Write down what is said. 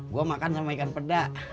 gue makan sama ikan peda